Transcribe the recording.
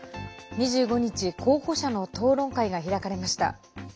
２５日、候補者の討論会が開かれました。